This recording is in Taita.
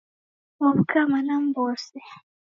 Mwaw'uka mana m'mbose?